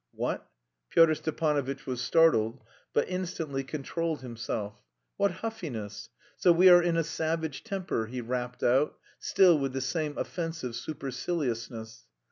"What?" Pyotr Stepanovitch was startled, but instantly controlled himself. "What huffiness! So we are in a savage temper?" he rapped out, still with the same offensive superciliousness.